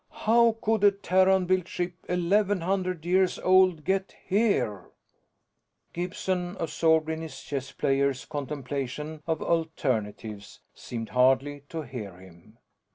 How could a Terran built ship eleven hundred years old get here?" Gibson, absorbed in his chess player's contemplation of alternatives, seemed hardly to hear him.